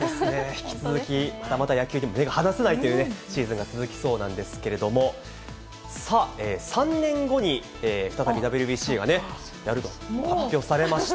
引き続き、また野球にも目が離せないというシーズンが続きそうなんですけれども、さあ、３年後に再びＷＢＣがね、やると発表されました。